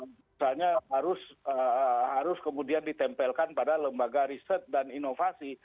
misalnya harus kemudian ditempelkan pada lembaga riset dan inovasi